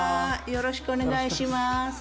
よろしくお願いします。